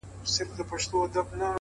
o تر پرون مي يوه کمه ده راوړې ـ